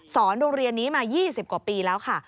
โรงเรียนนี้มา๒๐กว่าปีแล้วค่ะ